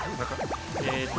えっと。